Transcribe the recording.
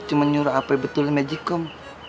cuma nyuruh apa betulnya majikom